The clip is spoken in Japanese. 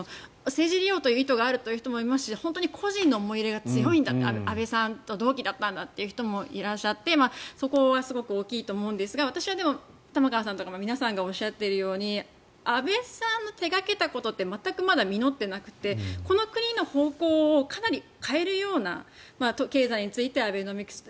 政治利用という意図があるという人もいますし本当に個人の思い入れが強いんだ安倍さんと同期だったんだっておっしゃる人もいらっしゃってそこはすごく大きいと思うんですが私は玉川さんとか皆さんがおっしゃっているように安倍さんが手掛けたことって全くまだ実っていなくてこの国の方向をかなり変えるような経済についてはアベノミクス。